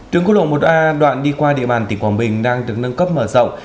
tuyến quốc lộ một a đoạn đi qua địa bàn tỉnh quảng bình đang được nâng cấp mở rộng